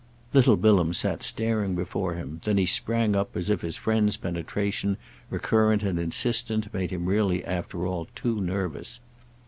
Little Bilham sat staring before him; then he sprang up as if his friend's penetration, recurrent and insistent, made him really after all too nervous.